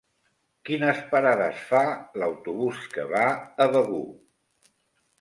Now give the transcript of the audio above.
Quines parades fa l'autobús que va a Begur?